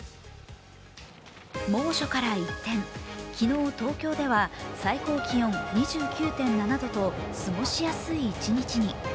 猛暑から一転、昨日、東京では最高気温２９．７度と過ごしやすい一日に。